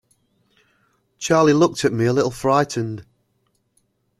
Charley looked at me a little frightened.